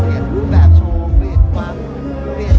เดี๋ยวก็ว่ามีอยู่เดียว